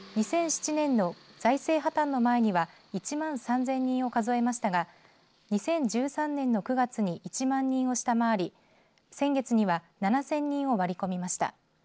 ２００７年の財政破綻の前には１万３０００人を数えましたが２０１３年の９月に１万人を下回り先月には７０００人を割り込みました。